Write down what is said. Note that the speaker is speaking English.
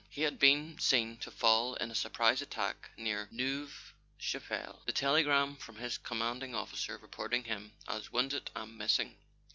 He had been seen to fall in a surprise attack near Neuve Chapelle; the telegram, from his command¬ ing officer, reported him as "wounded and missing."